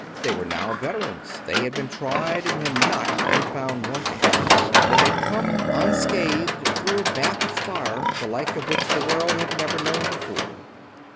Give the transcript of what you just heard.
They were now veterans; they had been tried and had not been found wanting. They had come unscathed through a bath of fire the like of which the world had never before known.